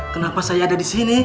kenapa saya ada di sini